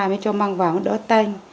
mới cho măng vàng nó đỡ tanh